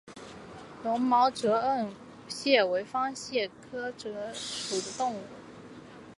绒毛折颚蟹为方蟹科折颚蟹属的动物。